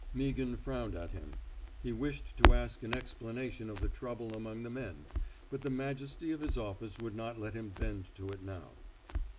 Meaghan frowned at him. He wished to ask an explanation of the trouble among the men, but the majesty of office would not let him bend to it now.